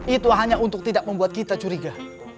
itu hanya untuk tidak membuat kita curiga